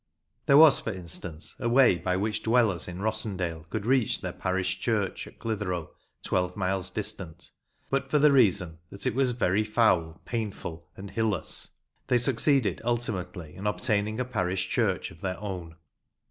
There was, for instance, a way by which the dwellers in Rossendale could reach their parish church at Clitheroe, twelve miles distant; but for the reason that it was " very foule, painfull, and hillous," 56 MEMORIALS OF OLD LANCASHIRE they succeeded ultimately in obtaining a parish church of their own.